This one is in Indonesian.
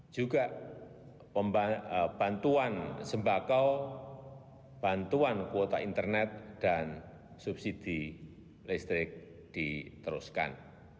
juga bantuan sembako bantuan kuota internet dan subsidi listrik diteruskan